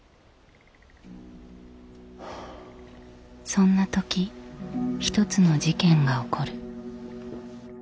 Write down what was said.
そんな時一つの事件が起こる。